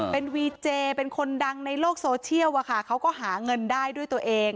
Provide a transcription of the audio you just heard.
เป็นวีเจเป็นคนดังในโลกโซเชียลอะค่ะเขาก็หาเงินได้ด้วยตัวเอง